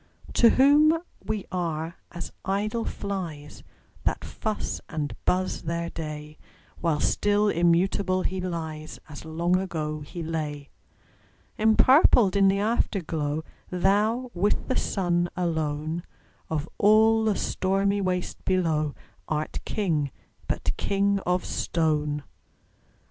To whom we are as idle flies, That fuss and buzz their day; While still immutable he lies, As long ago he lay. Empurpled in the Afterglow, Thou, with the Sun alone, Of all the stormy waste below, Art King, but king of stone!